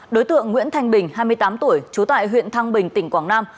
đối tượng nguyễn thanh bình hai mươi tám tuổi trú tại huyện thăng bình tỉnh quảng nam